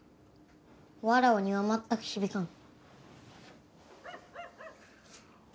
わらわには全く響かぬ。